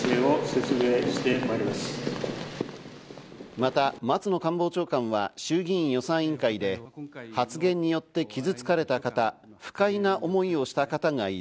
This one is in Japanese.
また松野官房長官は衆議院予算委員会で、発言によって傷つかれた方、不快な思いをした方がいる。